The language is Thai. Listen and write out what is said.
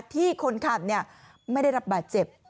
ที่คนขับไม่ได้รับบาดเจ็บ